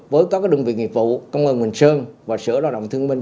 với các đơn vị nghiệp vụ công an bình sơn và sở lao động thương minh